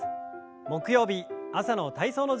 木曜日朝の体操の時間です。